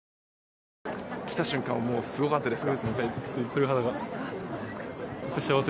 来た瞬間、すごかったですか？